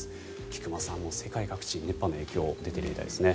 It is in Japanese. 菊間さん、世界各地熱波の影響が出ているみたいですね。